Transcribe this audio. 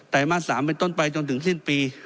มา๓เป็นต้นไปจนถึงสิ้นปี